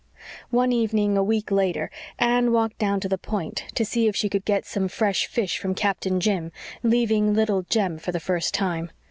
One evening, a week later, Anne walked down to the Point, to see if she could get some fresh fish from Captain Jim, leaving Little Jem for the first time.